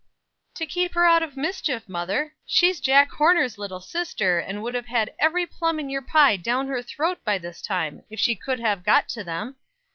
"To keep her out of mischief, mother. She's Jack Horner's little sister, and would have had every plum in your pie down her throat, by this time, if she could have got to them.